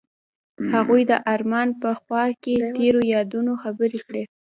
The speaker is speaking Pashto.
هغوی د آرمان په خوا کې تیرو یادونو خبرې کړې.